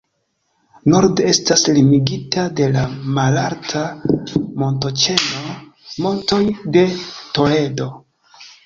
Norde estas limigita de la malalta montoĉeno Montoj de Toledo.